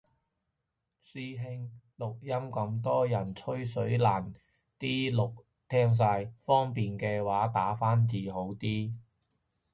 師兄，錄音咁多人吹水難啲聽晒，方便嘅話打返字好啲